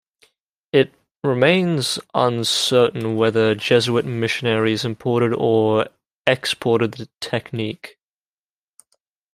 It remains uncertain whether Jesuit missionaries imported or exported the technique.